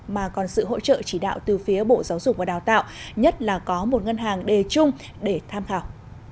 mà còn sự hỗ trợ chỉ đạo từ phía bộ giáo dục và đào tạo nhất là có một ngân hàng đề chung để tham khảo